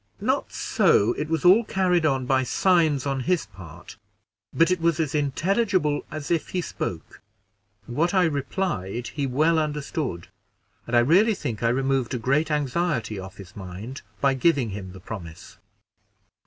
"Not so; it was all carried on by signs on his part, but it was as intelligible as if he spoke, and what I replied he well understood; and I really think I removed a great anxiety off his mind by giving him the promise."